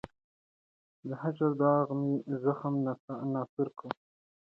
د هجر داغ مي زخم ناصور دی